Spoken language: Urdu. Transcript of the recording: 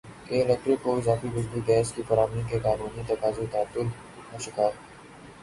کے الیکٹرک کو اضافی بجلی گیس کی فراہمی کے قانونی تقاضے تعطل کا شکار